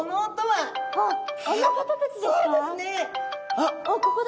あっここだ！